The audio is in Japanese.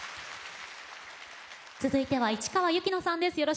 続いては市川由紀乃さんです。